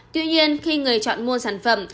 tuy nhiên khi người chọn mua sản phẩm